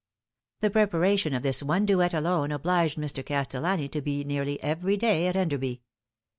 The preparation of this one duet alone obliged Mr. Castel lani to be nearly every day at Enderby.